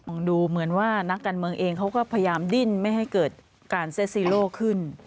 ดูเหมือนว่านักการเมืองเองเขาก็พยายามดิ้นไม่ให้เกิดการเซ็ซีโร่ขึ้น